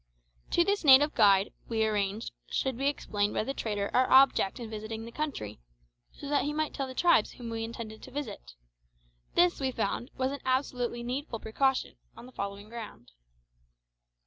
To this native guide, we arranged, should be explained by the trader our object in visiting the country, so that he might tell the tribes whom we intended to visit. This, we found, was an absolutely needful precaution, on the following ground.